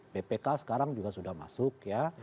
bpk sekarang juga sudah masuk ya